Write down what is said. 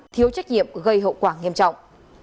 thiếu trách nhiệm gây hậu quả nghiêm trọng